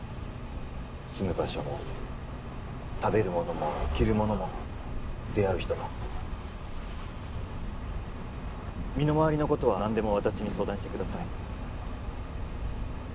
住む場所も食べるものも着るものも出会う人も身の回りのことは何でも私に相談してください